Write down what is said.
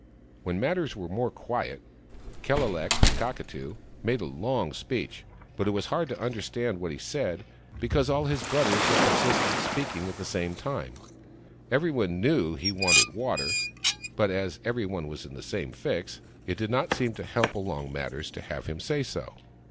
When matters were more quiet, Kellelek, the Cockatoo, made a long speech, but it was hard to understand what he said, because all his brothers would persist in speaking at the same time. Every one knew that he wanted water, but as every one was in the same fix, it did not seem to help along matters to have him say so.